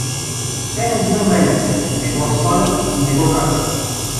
Те не го менят, не го свалят и не го качват.